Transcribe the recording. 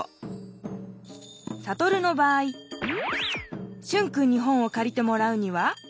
サトルの場合シュンくんに本をかりてもらうには？